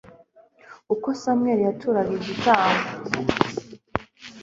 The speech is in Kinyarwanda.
uko samweli yaturaga igitambo